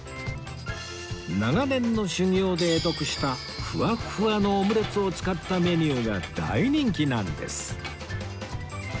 長年の修業で会得したふわっふわのオムレツを使ったメニューが大人気なんです